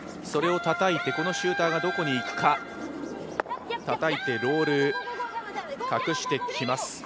それをたたいて、このシューターがどこにいくか、たたいてロール、隠してきます。